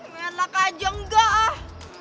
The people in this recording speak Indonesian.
menak aja enggak ah